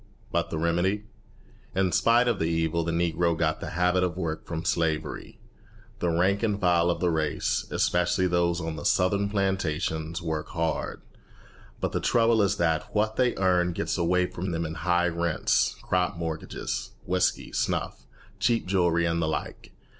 But the remedy! In spite of the evil the Negro got the habit of work from slavery. The rank and file of the race, especially those on the Southern plantations, work hard; but the trouble is that what they earn gets away from them in high rents, crop mortgages, whiskey, snuff, cheap jewelry, and the like.